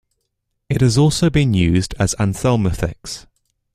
It has also been used as anthelminthics.